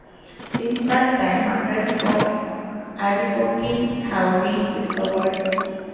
Since that time, hundreds of adipokines have been discovered.